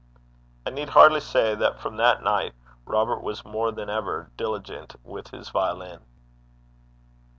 I need hardly say that from that night Robert was more than ever diligent with his violin.